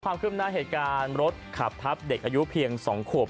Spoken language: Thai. ขึ้นหน้าเหตุการณ์รถขับทับเด็กอายุเพียง๒ขวบ